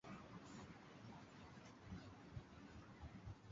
Kutokana na migogoro ya kisiasa Zanzibar imekuwa katika hali duni kabisa